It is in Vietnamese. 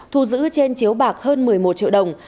thu giữ trên chiếu bạc hơn một mươi một triệu đồng